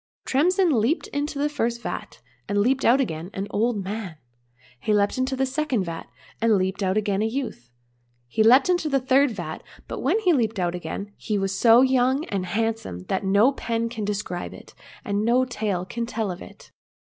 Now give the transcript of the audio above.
— Tremsin leaped into the first vat, and leaped out again an old man ; he leaped into the second vat, and leaped out again a youth ; he leaped into the third vat, but when he leaped out again, he was so young and handsome that no pen can describe it, and no tale can tell of it.